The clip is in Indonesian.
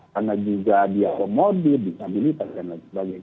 karena juga dia komodit di komunitas dsb